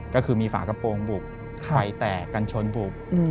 ก็คือมีฝากระโปรงบุกไฟแตกกันชนบุบ